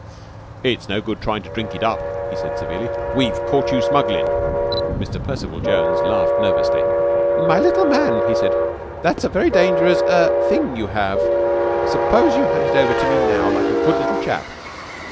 "It's no good tryin' to drink it up," he said severely. "We've caught you smugglin'." Mr. Percival Jones laughed nervously. "My little man!" he said, "that's a very dangerous er thing for you to have! Suppose you hand it over to me, now, like a good little chap."